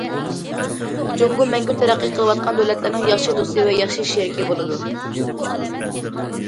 جۇڭگو مەڭگۈ تەرەققىي قىلىۋاتقان دۆلەتلەرنىڭ ياخشى دوستى ۋە ياخشى شېرىكى بولىدۇ.